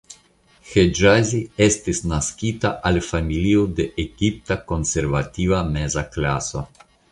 Ĥeĝazi estis naskita al familio de egipta konservativa meza klaso.